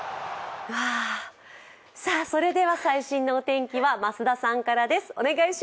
最新のお天気は増田さんからです。